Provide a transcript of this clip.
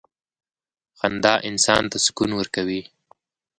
• خندا انسان ته سکون ورکوي.